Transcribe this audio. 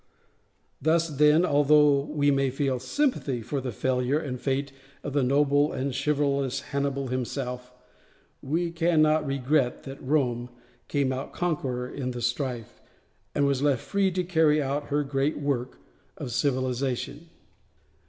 Thus then, although we may feel sympathy for the failure and fate of the noble and chivalrous Hannibal himself, we cannot regret that Rome came out conqueror in the strife, and was left free to carry out her great work of civilization.